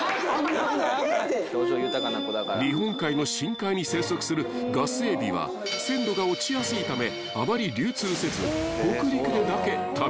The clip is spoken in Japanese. ［日本海の深海に生息するガスエビは鮮度が落ちやすいためあまり流通せず北陸でだけ食べられてきた］